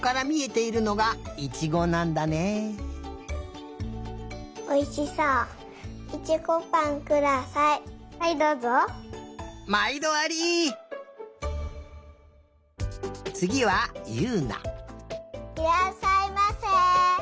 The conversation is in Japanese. いらっしゃいませ！